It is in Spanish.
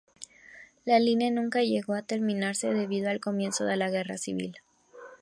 La línea nunca llegó a terminarse, debido al comienzo de la Guerra Civil.